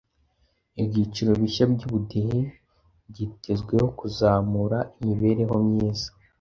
Ibyiciro bishya by’ubudehe byitezweho kuzamura imibereho myiza...